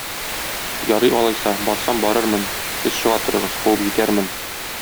Ярый, алайса, барсам барырмын, сез чыга торыгыз, куып җитәрмен.